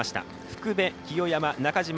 福部、清山、中島